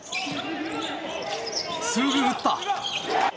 すぐ打った！